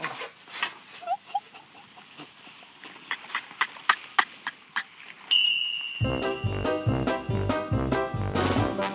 อืม